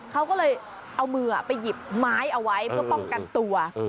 เขาก็เลยเอามือไปหยิบไม้เอาไว้เพื่อป้องกันตัว